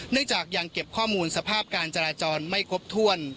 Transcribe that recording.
เนื่องจากยังเก็บข้อมูลสภาพการจราจรไม่ครบทั่ว